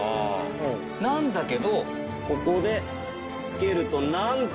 なんだけどここで付けるとなんと。